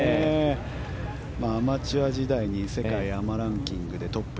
アマチュア時代に世界アマランキングでトップ。